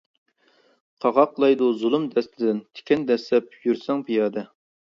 قاقاقلايدۇ زۇلۇم دەستىدىن، تىكەن دەسسەپ يۈرسەڭ پىيادە.